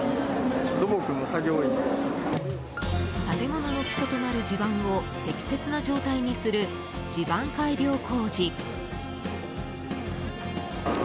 建物の基礎となる地盤を適切な状態にする地盤改良工事。